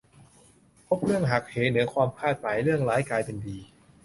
พบเรื่องหักเหเหนือความคาดหมาย เรื่องร้ายกลายเป็นดี